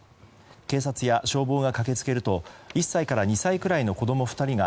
警察や消防が駆け付けると１歳から２歳くらいの子供２人が